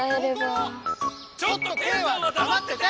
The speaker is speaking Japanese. ちょっとケイはだまってて！